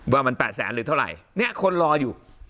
ว่ามัน๘แสนหรือเท่าไหร่เนี่ยคนรออยู่